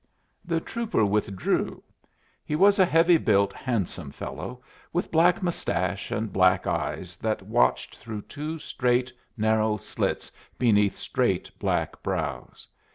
The trooper withdrew. He was a heavy built, handsome fellow, with black mustache and black eyes that watched through two straight, narrow slits beneath straight black brows.